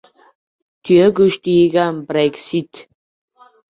Tuya go‘shti yegan «Breksit»